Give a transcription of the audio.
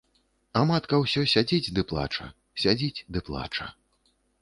А матка ўсё сядзіць ды плача, сядзіць ды плача.